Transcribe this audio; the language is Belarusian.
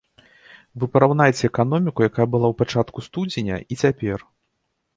Вы параўнайце эканоміку, якая была ў пачатку студзеня, і цяпер!